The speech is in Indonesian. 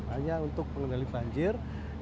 hanya untuk pengendali banjir